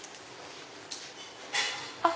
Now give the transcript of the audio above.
あっ！